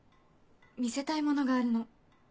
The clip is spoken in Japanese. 見せたいものがあるの。